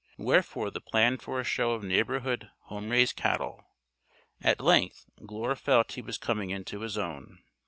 Wherefore the plan for a show of neighborhood "home raised" cattle. At length Glure felt he was coming into his own.